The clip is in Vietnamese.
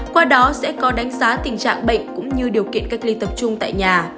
qua đó sẽ có đánh giá tình trạng bệnh cũng như điều kiện cách ly tập trung tại nhà